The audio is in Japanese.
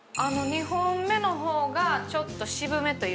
２本目の方がちょっと。